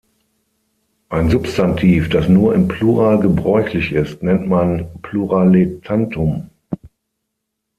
Ein Substantiv, das nur im Plural gebräuchlich ist, nennt man Pluraletantum.